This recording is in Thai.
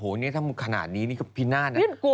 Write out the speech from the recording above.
โหเนี้ยถ้าขนาดนี้พิณห้าน่ะ